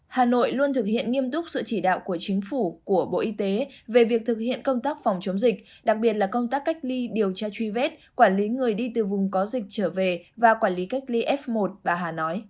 hà nội luôn thực hiện nghiêm túc sự chỉ đạo của chính phủ của bộ y tế về việc thực hiện công tác phòng chống dịch đặc biệt là công tác cách ly điều tra truy vết quản lý người đi từ vùng có dịch trở về và quản lý cách ly f một bà hà nói